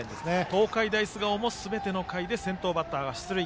東海大菅生もすべての回で先頭バッターが出塁。